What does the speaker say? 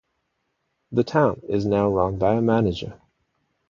The town is now run by a manager.